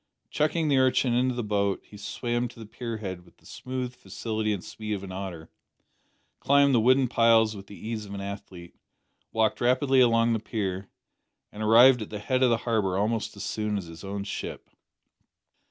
Chucking the urchin into the boat he swam to the pier head with the smooth facility and speed of an otter, climbed the wooden piles with the ease of an athlete, walked rapidly along the pier, and arrived at the head of the harbour almost as soon as his own ship.